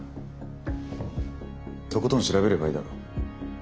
とことん調べればいいだろ。